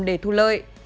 để thu lợi